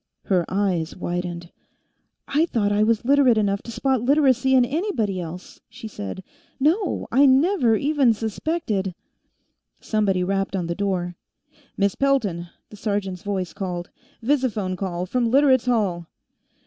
Her eyes widened. "I thought I was Literate enough to spot Literacy in anybody else," she said. "No, I never even suspected " Somebody rapped on the door. "Miss Pelton," the sergeant's voice called. "Visiphone call from Literates' Hall."